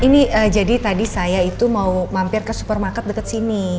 ini jadi tadi saya itu mau mampir ke supermarket dekat sini